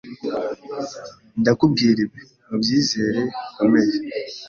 Ndakubwira ibi mubyizere bikomeye.